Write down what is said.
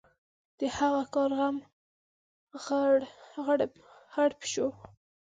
د هغه کار غم غړپ شو.